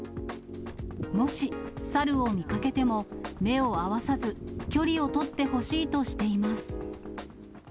もし、サルを見かけても、目を合わさず、距離を取ってほしいとしています。